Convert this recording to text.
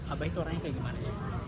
abah itu warnanya kayak gimana sih